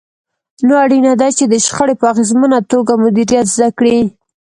نو اړينه ده چې د شخړې په اغېزمنه توګه مديريت زده کړئ.